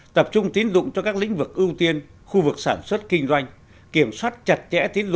tập trung tiến dụng cho các lĩnh vực ưu tiên khu vực sản xuất kinh doanh